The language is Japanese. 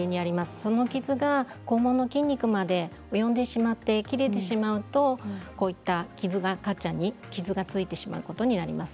その傷が肛門の筋肉まで及んでしまって切れてしまうとカッちゃんに傷がついてしまうことになります。